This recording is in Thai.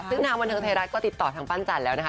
ซึ่งทางบันเทิงไทยรัฐก็ติดต่อทางปั้นจันทร์แล้วนะคะ